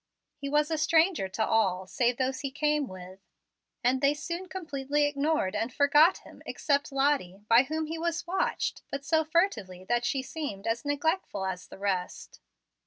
He was a stranger to all, save those he came with, and they soon completely ignored and forgot him, except Lottie, by whom he was watched, but so furtively that she seemed as neglectful as the rest.